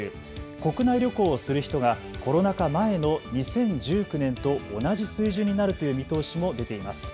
国内旅行をする人がコロナ禍前の２０１９年と同じ水準になるという見通しも出ています。